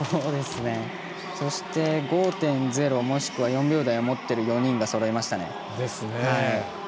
そして、５．０もしくは４秒台を持っている４人そろいましたね。